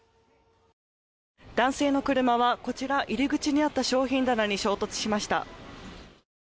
男性の車はこちら入り口にあった商品棚に衝突しました。